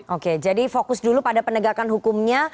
oke jadi fokus dulu pada penegakan hukumnya